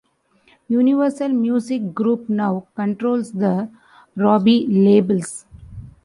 Universal Music Group now controls the Robey labels.